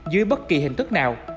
dưới bất kỳ hình thức nào